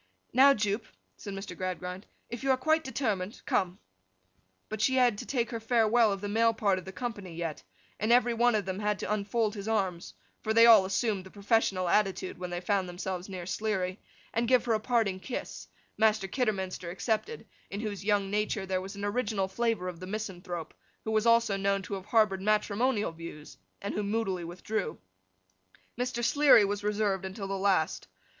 'Now, Jupe,' said Mr. Gradgrind. 'If you are quite determined, come!' But she had to take her farewell of the male part of the company yet, and every one of them had to unfold his arms (for they all assumed the professional attitude when they found themselves near Sleary), and give her a parting kiss—Master Kidderminster excepted, in whose young nature there was an original flavour of the misanthrope, who was also known to have harboured matrimonial views, and who moodily withdrew. Mr. Sleary was reserved until the last.